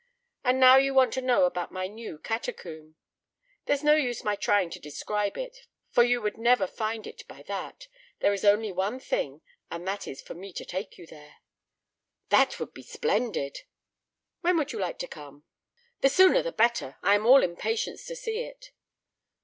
And now you want to know about my new catacomb. There's no use my trying to describe it, for you would never find it by that. There is only one thing, and that is for me to take you there." "That would be splendid." "When would you like to come?" "The sooner the better. I am all impatience to see it."